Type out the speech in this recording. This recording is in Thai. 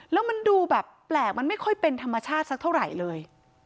แล้วมันดูแบบแปลกมันไม่ค่อยเป็นธรรมชาติสักเท่าไหร่เลย